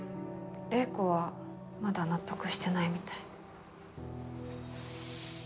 玲子はまだ納得してないみたい。